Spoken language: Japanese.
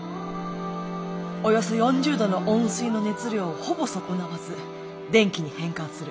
およそ４０度の温水の熱量をほぼ損なわず電気に変換する。